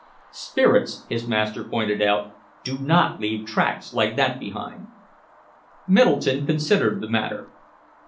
"Spirits," his master pointed out, "do not leave tracks like that behind." Middleton considered the matter.